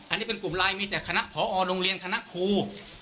อันนี้เป็นกลุ่มไลน์มีแต่คณะพอโรงเรียนคณะครู